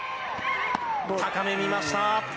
高め、見ました。